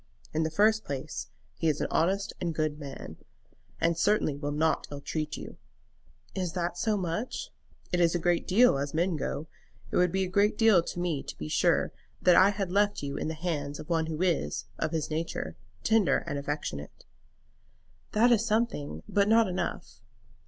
In the first place, he is an honest and good man, and certainly will not ill treat you." "Is that so much?" "It is a great deal, as men go. It would be a great deal to me to be sure that I had left you in the hands of one who is, of his nature, tender and affectionate." "That is something; but not enough."